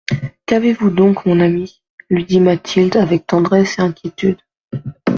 Qu'avez-vous donc mon ami ? lui dit Mathilde avec tendresse et inquiétude.